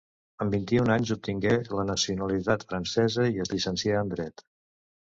Amb vint-i-un anys obtingué la nacionalitat francesa i es llicencià en dret.